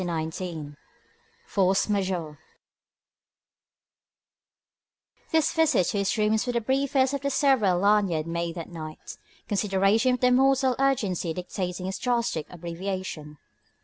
XIX FORCE MAJEURE This visit to his rooms was the briefest of the several Lanyard made that night, considerations of mortal urgency dictating its drastic abbreviation.